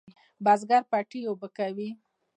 بزگر پټی اوبه کوي.